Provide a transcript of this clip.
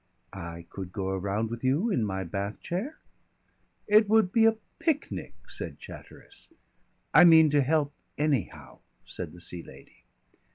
"I could go around with you in my bath chair?" "It would be a picnic," said Chatteris. "I mean to help anyhow," said the Sea Lady.